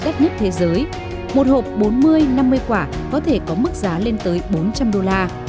đắt nhất thế giới một hộp bốn mươi năm mươi quả có thể có mức giá lên tới bốn trăm linh đô la